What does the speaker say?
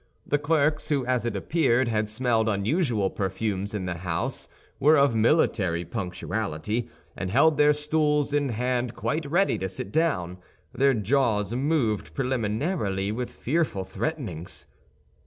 The clerks, who, as it appeared, had smelled unusual perfumes in the house, were of military punctuality, and held their stools in hand quite ready to sit down. Their jaws moved preliminarily with fearful threatenings.